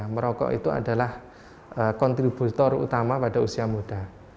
merokok itu adalah kontributor utama pada usia muda